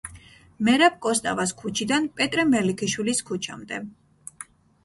მერაბ კოსტავას ქუჩიდან პეტრე მელიქიშვილის ქუჩა მდე.